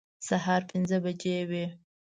سهار پنځه بجې وې.